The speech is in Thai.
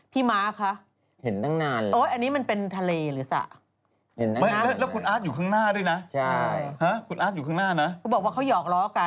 พี่มาร์คคะ